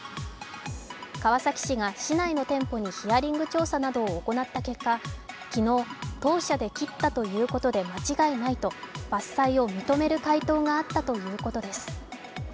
川崎市が市内の店舗にヒアリング調査などを行った結果、昨日、当社で切ったということで間違いないと伐採を認める回答があったということです。